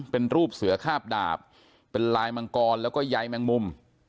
เป็นรูปเสือคาบดาบเป็นลายมังกรแล้วก็ใยแมงมุม